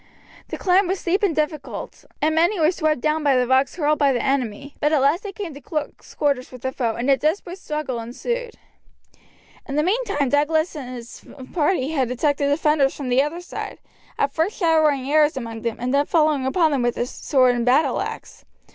The climb was stiff and difficult, and many were swept down by the rocks hurled by the enemy; but at last they came to close quarters with the foe, and a desperate struggle ensued. In the meantime Douglas and his party had attacked the defenders from the other side, at first showering arrows among them, and then falling upon them with sword and battleaxe.